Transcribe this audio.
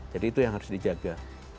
jadi itu yang harus dijaga